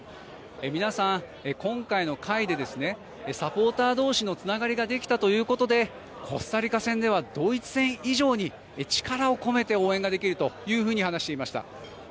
皆さん、今回の会でサポーター同士のつながりができたということでコスタリカ戦ではドイツ戦以上に力を込めて応援ができるというふうに話をしていました。